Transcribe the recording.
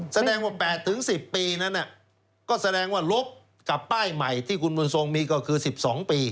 แสดงว่า๘๑๐ปีนั้นก็แสดงว่าลบกับป้ายใหม่ที่คุณบุญทรงมีก็คือ๑๒ปี